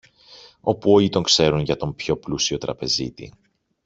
όπου όλοι τον ξέρουν για τον πιο πλούσιο τραπεζίτη.